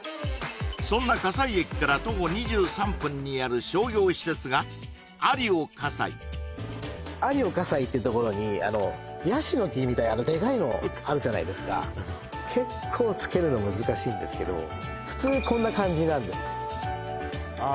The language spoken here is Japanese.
そんな葛西駅から徒歩２３分にある商業施設がアリオ葛西アリオ葛西って所にヤシの木みたいなあのでかいのあるじゃないですか結構付けるの難しいんですけど普通こんな感じなんですあ